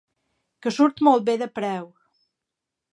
Que surt molt bé de preu.